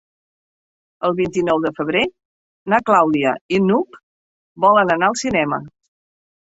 El vint-i-nou de febrer na Clàudia i n'Hug volen anar al cinema.